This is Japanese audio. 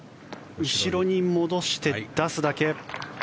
後ろに戻して、出すだけ。